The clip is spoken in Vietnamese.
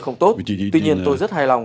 không tốt tuy nhiên tôi rất hài lòng